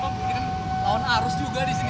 mungkin lawan arus juga di sini